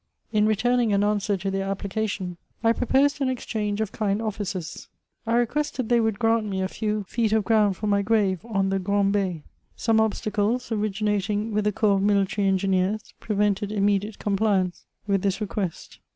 In returning an answer to their application, I proposed an exchange of kind offices. I requested they would grant me a few feet of ground for my grave on the Grand'Be.* Some obstacles, originating with the corps of military engineers, prevented immediate compliance with diis request.